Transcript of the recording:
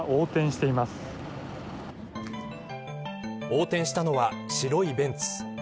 横転したのは白いベンツ。